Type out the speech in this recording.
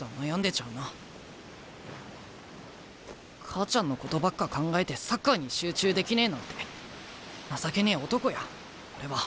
母ちゃんのことばっか考えてサッカーに集中できねえなんて情けねえ男や俺は。